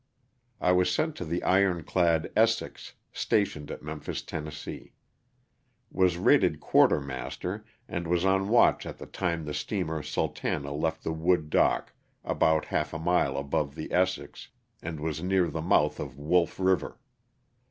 I was sent to the ironclad Essex,'' stationed at Memphis, Tenn. Was rated quartermaster and was on watch at the time the steamer Sultana" left the wood dock about half a mile above the " Essex " and was near the mouth of Wolf river.